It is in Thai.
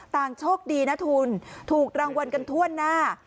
ต่างโชคดีนะทุนถูกรางวัลกันถ้วนหน้า